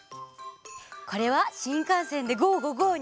これは「新幹線でゴー！